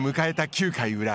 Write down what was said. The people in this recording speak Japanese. ９回裏。